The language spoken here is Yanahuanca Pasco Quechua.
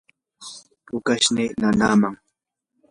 pukashnii nanaaman.